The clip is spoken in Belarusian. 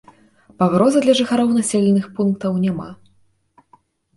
Пагрозы для жыхароў населеных пунктаў няма.